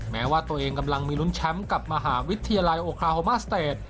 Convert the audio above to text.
แม้ว่าตัวเองกำลังมีลุ้นแชมป์กับมหาวิทยาลัยโอคาโฮมาสเตจ